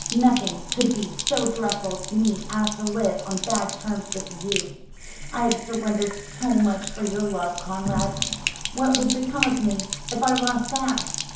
"Nothing could be so dreadful to me as to live on bad terms with you. I have surrendered so much for your love, Conrad. What would become of me, if I lost that?